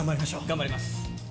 頑張ります。